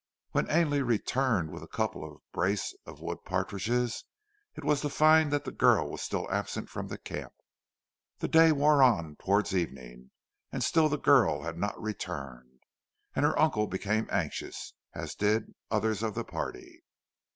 When Ainley returned with a couple of brace of wood partridges it was to find that the girl was still absent from the camp. The day wore on towards evening and still the girl had not returned, and her uncle became anxious, as did others of the party.